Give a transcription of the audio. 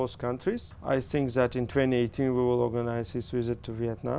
họ rất thích giúp tôi